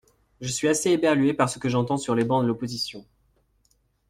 Je suis assez éberluée par ce que j’entends sur les bancs de l’opposition.